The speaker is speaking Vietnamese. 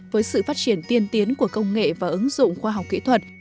với sự phát triển tiên tiến của công nghệ và ứng dụng khoa học kỹ thuật